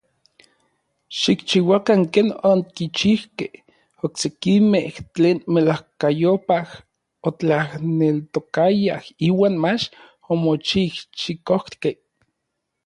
Xikchiuakan ken okichijkej oksekimej tlen melajkayopaj otlaneltokayaj iuan mach omoxijxikojkej.